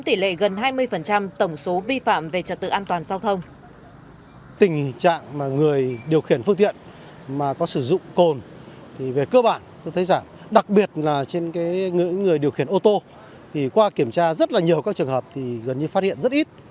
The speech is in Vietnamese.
tình trạng mà người điều khiển phương tiện mà có sử dụng cồn thì về cơ bản tôi thấy rằng đặc biệt là trên người điều khiển ô tô thì qua kiểm tra rất là nhiều các trường hợp thì gần như phát hiện rất ít